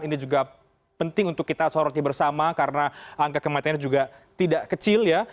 ini juga penting untuk kita soroti bersama karena angka kematiannya juga tidak kecil ya